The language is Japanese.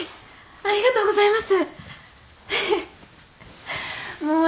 ありがとうございます。